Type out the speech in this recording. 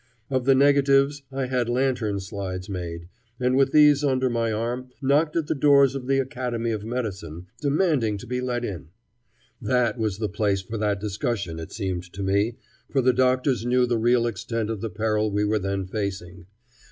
Of the negatives I had lantern slides made, and with these under my arm knocked at the doors of the Academy of Medicine, demanding to be let in. That was the place for that discussion, it seemed to me, for the doctors knew the real extent of the peril we were then facing.